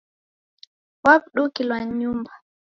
Waw'udukilwa ni nyumba.